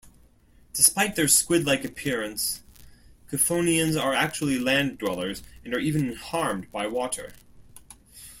Despite their squid-like appearance, chthonians are actually land-dwellers and are even harmed by water.